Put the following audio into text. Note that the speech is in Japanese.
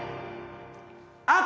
あっ！